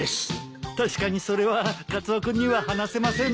確かにそれはカツオ君には話せませんね。